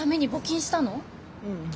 うん。